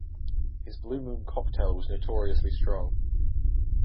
His Blue Moon cocktail was notoriously strong.